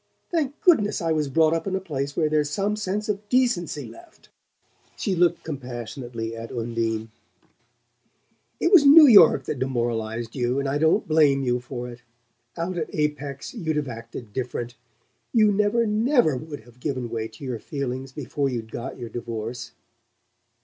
Thank goodness I was brought up in a place where there's some sense of decency left!" She looked compassionately at Undine. "It was New York that demoralized you and I don't blame you for it. Out at Apex you'd have acted different. You never NEVER would have given way to your feelings before you'd got your divorce."